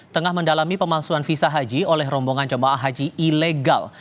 tengah mendalami pemalsuan visa haji oleh rombongan jemaah haji ilegal